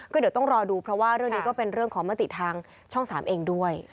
ก็เดี๋ยวต้องรอดูเพราะว่าเรื่องนี้ก็เป็นเรื่องของมติทางช่อง๓เองด้วย